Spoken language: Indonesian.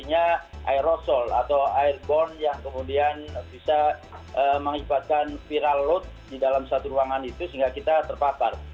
ada aerosol atau air bond yang kemudian bisa mengibatkan viral load di dalam satu ruangan itu sehingga kita terpapar